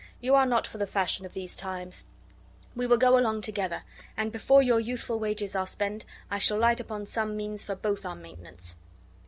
You are not for the fashion of these times. We will go along together, and before your youthful wages are spent I shall light upon some means for both our maintenance."